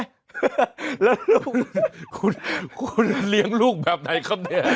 แล้วลูกคุณคุณเลี้ยงลูกแบบไหนครับเนี่ย